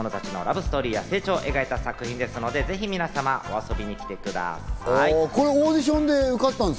若者たちのラブストーリーや成長を描いた作品ですので、ぜひ皆さんご覧に来てください。